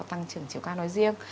tăng trưởng chiều cao nói riêng